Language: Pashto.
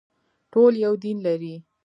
ټول یو دین لري